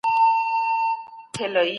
افغان ځواک د گندمک په کلي کې بریالی شو